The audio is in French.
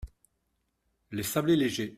les sablés légers